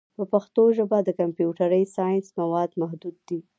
په پښتو ژبه د کمپیوټري ساینس مواد محدود دي.